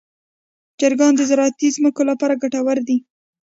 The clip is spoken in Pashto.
چرګان د زراعتي ځمکو لپاره ګټور دي.